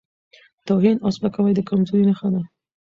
توهین او سپکاوی د کمزورۍ نښه ده.